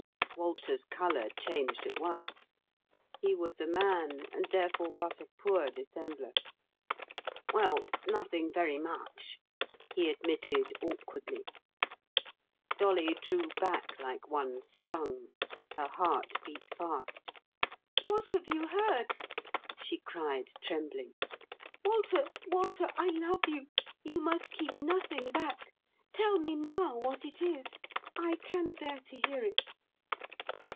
Walter's colour changed at once. He was a man, and therefore but a poor dissembler. "Well, nothing very much," he admitted, awkwardly. Dolly, drew back like one stung; her heart beat fast. "What have you heard?" she cried trembling; "Walter, Walter, I love you! You must keep nothing back. Tell me now what it is. I can bear to hear it."